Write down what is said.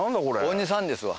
鬼さんですわ。